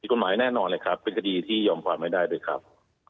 กฎหมายแน่นอนเลยครับเป็นคดีที่ยอมความไม่ได้ด้วยครับ